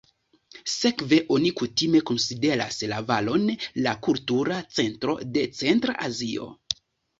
Sekve oni kutime konsideras la valon la kultura centro de Centra Azio.